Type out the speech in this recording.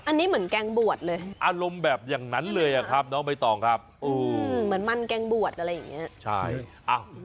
อันนี้เหมือนแกงบวชเลยอารมณ์แบบอย่างนั้นเลยอะครับน้องใบตองครับเหมือนมันแกงบวชอะไรอย่างเงี้ยใช่